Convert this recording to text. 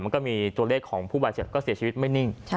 มันก็มีตัวเลขของผู้บาดเจ็บก็เสียชีวิตไม่นิ่ง